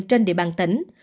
trên địa bàn tỉnh